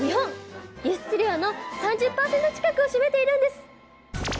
輸出量の３０％近くを占めているんです。